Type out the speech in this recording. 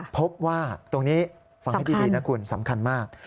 พบว่าตรงนี้ฟังให้ดีนะคุณสำคัญมาก